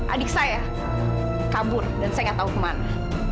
adik saya kabur dan saya nggak tahu ke mana